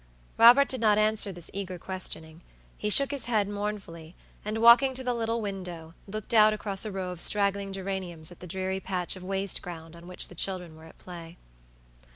Robert did not answer this eager questioning. He shook his head mournfully, and, walking to the little window, looked out across a row of straggling geraniums at the dreary patch of waste ground on which the children were at play.